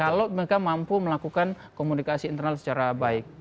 kalau mereka mampu melakukan komunikasi internal secara baik